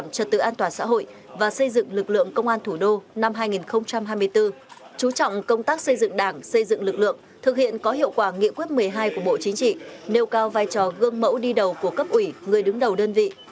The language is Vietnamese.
chú trọng công tác xây dựng đảng xây dựng lực lượng thực hiện có hiệu quả nghị quyết một mươi hai của bộ chính trị nêu cao vai trò gương mẫu đi đầu của cấp ủy người đứng đầu đơn vị